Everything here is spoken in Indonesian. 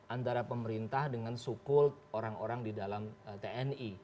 antara pemerintah dengan sukul orang orang di dalam tni